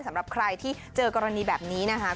สำหรับใครที่เจอกรณีแบบนี้นะคะ